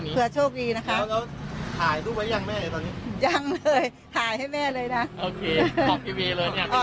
ไม่ฝากค่ะ้าวไม่ฝากเลยค่ะ